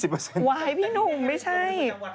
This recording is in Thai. วายพี่หนุ่มไม่ใช่